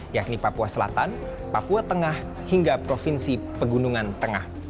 yakni papua selatan papua tengah hingga provinsi pegunungan tengah